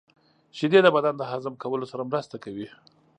• شیدې د بدن د هضم کولو سره مرسته کوي.